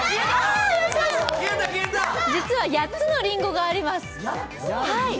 実は８つのりんごがあります。